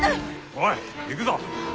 おい行くぞ。